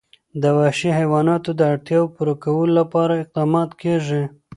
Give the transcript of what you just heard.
د وحشي حیواناتو د اړتیاوو پوره کولو لپاره اقدامات کېږي.